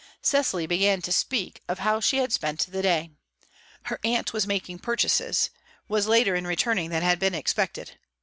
Cecily began to speak of how she had spent the day. Her aunt was making purchases was later in returning than had been expected.